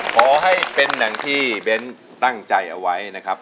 ขอให้เป็นอย่างที่เบ้นตั้งใจเอาไว้นะครับ